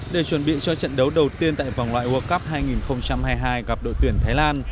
để chuẩn bị cho trận đấu đầu tiên tại vòng loại world cup hai nghìn hai mươi hai gặp đội tuyển thái lan